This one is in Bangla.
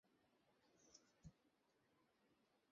ধ্রুব কালীপ্রতিমার পায়ের কাছে শুইয়া ঘুমাইয়া পড়িয়াছে।